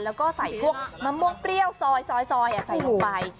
แล้วก็ใส่พวกมะม่วงเปรี้ยวซอยใส่ลงไป